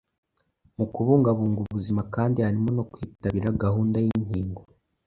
Mu kubungabunga ubuzima kandi harimo no kwitabira gahunda y’inkingo